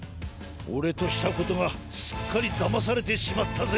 オレとしたことがすっかりだまされてしまったぜ。